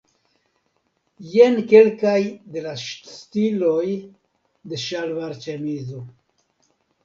Jen kelkaj de la stiloj de ŝalvarĉemizo.